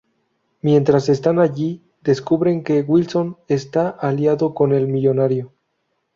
Mientras están allí, descubren que Wilson está aliado con el millonario.